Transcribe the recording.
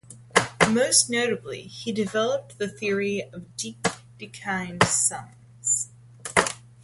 Most notably, he developed the theory of Dedekind sums.